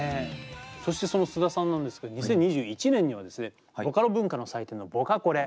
そしてその須田さんなんですけど２０２１年にはですねボカロ文化の祭典のボカコレ。